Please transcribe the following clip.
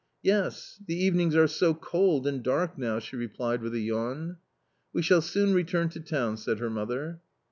" Yes, the evenings are so cold and dark now," she replied with a yawn. " We shall soon return to town," said her mother.